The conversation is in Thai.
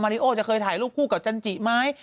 ริโอจะเคยถ่ายรูปคู่กับจันจิไหม